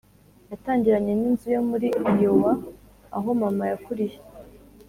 yatangiranye ninzu yo muri iowa aho mama yakuriye